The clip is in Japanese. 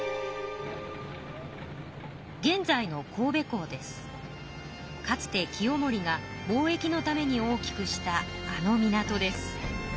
現在のかつて清盛が貿易のために大きくしたあの港です。